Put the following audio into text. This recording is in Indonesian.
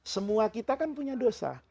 semua kita kan punya dosa